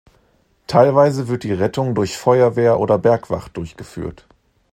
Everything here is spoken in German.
Teilweise wird die Rettung durch Feuerwehr oder Bergwacht durchgeführt.